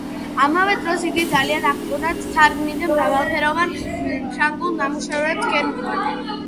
ამავე დროს იგი ძალიან აქტიურად თარგმნიდა მრავალ ფრანგულ ნამუშევარს გერმანულად.